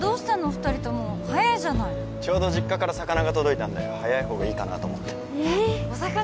２人とも早いじゃないちょうど実家から魚が届いたんで早い方がいいかなと思ってお魚？